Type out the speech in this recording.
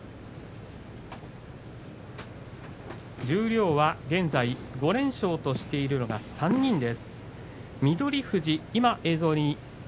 十両は現在５連勝としているのが３人です。